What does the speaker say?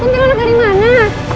kunti anak gari mana